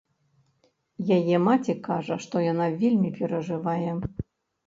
Яе маці кажа, што яна вельмі перажывае.